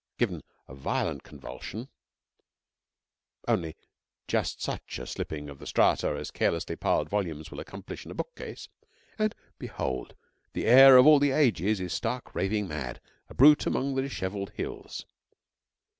Given a violent convulsion (only just such a slipping of strata as carelessly piled volumes will accomplish in a book case) and behold, the heir of all the ages is stark, raving mad a brute among the dishevelled hills.